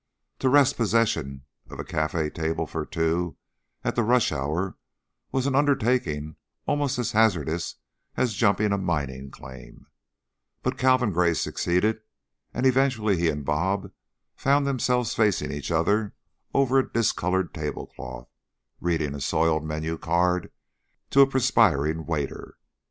To wrest possession of a cafe table for two at the rush hour was an undertaking almost as hazardous as jumping a mining claim, but Calvin Gray succeeded and eventually he and "Bob" found themselves facing each other over a discolored tablecloth, reading a soiled menu card to a perspiring waiter.